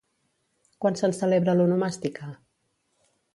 Quan se'n celebra l'onomàstica?